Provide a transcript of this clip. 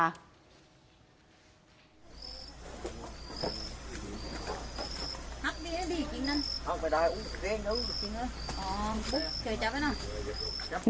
พักดีเอาไปได้อุ้ยจริงอุ้ยจริงเลยอ๋อบุ๊คเจ๋ยจับไว้หน่อย